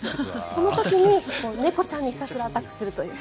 その時に猫ちゃんにひたすらアタックするという。